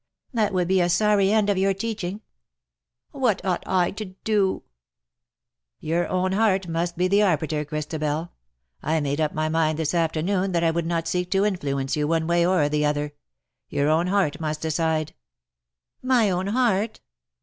'' That would be a sorry end of your teaching. What ought I to do ?"" Your own heart must be the arbiter, Christabel. I made up my mind this afternoon that I would not seek to influence you one way or the other. Your own heart must decide." " My own heart